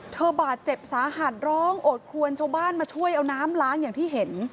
บาดเจ็บสาหัสร้องโอดควรชาวบ้านมาช่วยเอาน้ำล้างอย่างที่เห็น